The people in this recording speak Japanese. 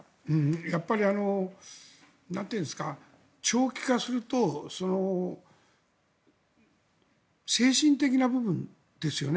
やっぱり、長期化すると精神的な部分ですよね。